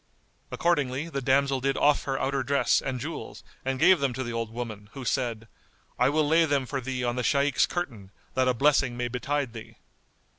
Accordingly the damsel did off her outer dress and jewels and gave them to the old woman, who said, "I will lay them for thee on the Shaykh's curtain, that a blessing may betide thee."